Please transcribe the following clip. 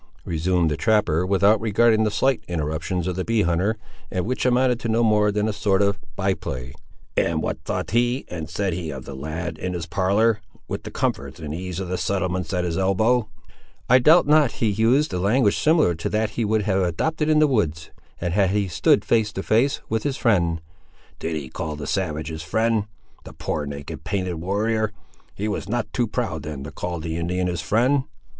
resumed the trapper, without regarding the slight interruptions of the bee hunter, which amounted to no more than a sort of by play. "And what thought he and said he of the lad, in his parlour, with the comforts and ease of the settlements at his elbow?" "I doubt not he used a language similar to that he would have adopted in the woods, and had he stood face to face, with his friend—" "Did he call the savage his friend; the poor, naked, painted warrior? he was not too proud then to call the Indian his friend?"